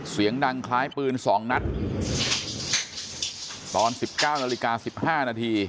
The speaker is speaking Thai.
เสียงดังคล้ายปืน๒นัดตอน๑๙นาฬิกา๑๕นาที